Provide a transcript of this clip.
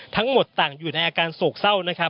ทั้งหมดต่างอยู่ในอาการโศกเศร้านะครับ